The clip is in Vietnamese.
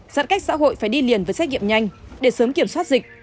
giãn cách xã hội phải đi liền với xét nghiệm nhanh để sớm kiểm soát dịch